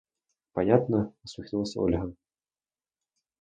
– Понятно! – усмехнулась Ольга.